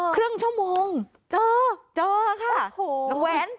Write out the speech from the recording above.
ครึ่งชั่วโมงเจอค่ะน้องแหวน